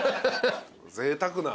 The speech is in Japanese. ぜいたくな。